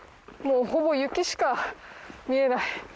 もうほぼ雪しか見えない。